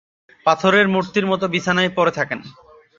পাথরের মূর্তির মতো বিছানায় পড়ে থাকেন।